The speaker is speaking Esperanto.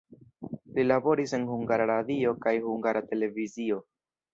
Li laboris en Hungara Radio kaj Hungara Televizio.